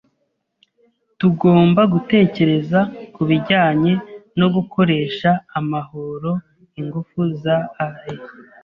Tugomba gutekereza kubijyanye no gukoresha amahoro ingufu za ae.